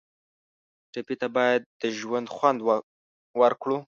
ټپي ته باید د ژوند خوند ورکړو.